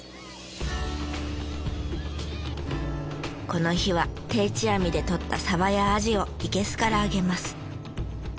この日は定置網でとったサバやアジをいけすから揚げます。